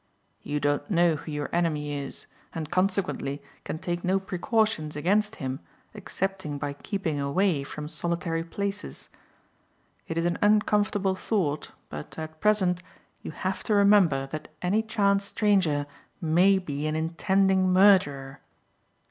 You don't know who your enemy is, and, consequently, can take no precautions against him excepting by keeping away from solitary places. It is an uncomfortable thought, but at present, you have to remember that any chance stranger may be an intending murderer.